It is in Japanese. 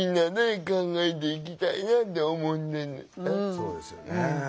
そうですよね。